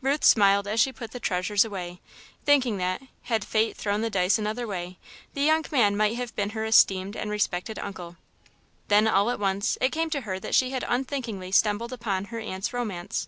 Ruth smiled as she put the treasures away, thinking that, had Fate thrown the dice another way, the young man might have been her esteemed and respected uncle. Then, all at once, it came to her that she had unthinkingly stumbled upon her aunt's romance.